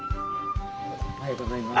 おはようございます。